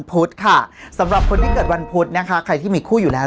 พุธค่ะสำหรับคนที่เกิดวันพุธนะคะใครที่มีคู่อยู่แล้ว